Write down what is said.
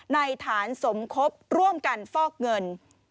ในฐานสมคบร่วมกันฟอกเงิน